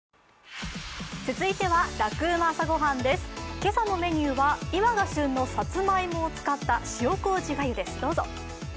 今朝のメニューは今が旬のさつまいもを使った塩こうじがゆです。